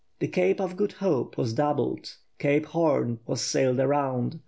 The Cape of Good Hope was doubled. Cape Horn was sailed round.